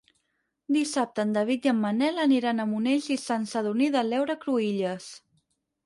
Dissabte en David i en Manel aniran a Monells i Sant Sadurní de l'Heura Cruïlles.